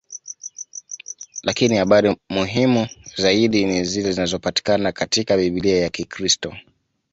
Lakini habari muhimu zaidi ni zile zinazopatikana katika Biblia ya Kikristo.